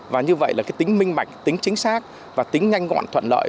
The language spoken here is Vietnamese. và như vậy là tính minh mạnh tính chính xác và tính nhanh ngọn thuận lợi